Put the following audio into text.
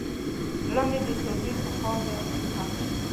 زړه مې د توبې په خاوره کې ښخ شو.